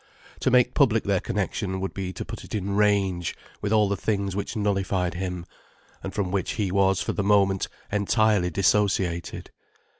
To make public their connection would be to put it in range with all the things which nullified him, and from which he was for the moment entirely dissociated.